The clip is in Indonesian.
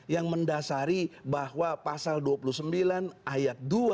yang mendasari bahwa pasal dua puluh sembilan ayat dua